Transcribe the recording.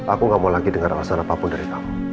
aku gak mau lagi dengar alasan apapun dari kamu